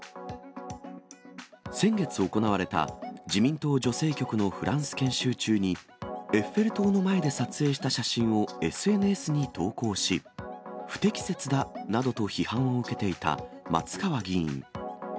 先月行われた、自民党女性局のフランス研修中に、エッフェル塔の前で撮影した写真をＳＮＳに投稿し、不適切だなどと批判を受けていた松川議員。